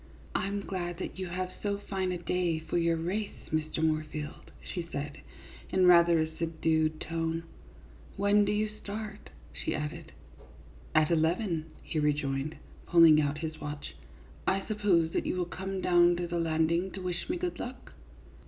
" I 'm glad that you have so fine a day for your race, Mr. Moorfield," she said, in rather a subdued tone. " When do you start ?" she added. " At eleven," he rejoined, pulling out his watch. " I suppose that you will come down to the landing to wish me good luck?